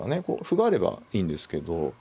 歩があればいいんですけど。